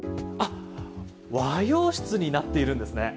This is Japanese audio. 和洋室になっているんですね。